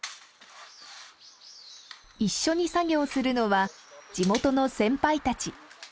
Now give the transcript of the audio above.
一緒に作業するのは地元の先輩たち。